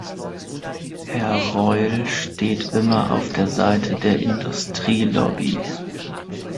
Herr Reul steht immer auf der Seite der Industrielobby.